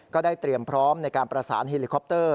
ก็ได้เตรียมพร้อมในการประสานเฮลิคอปเตอร์